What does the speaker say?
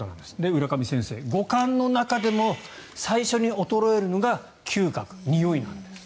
浦上先生、五感の中でも最初に衰えるのが嗅覚、においなんです。